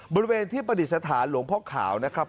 บริเวณที่ประดิษฐานหลวงพ่อขาวนะครับ